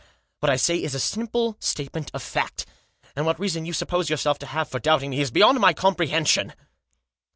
What I say is a simple statement of fact ; and what reason you suppose yourself to have for doubting me is beyond my com prehension."